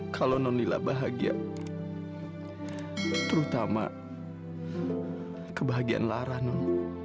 kalau non lila bahagia terutama kebahagiaan lara non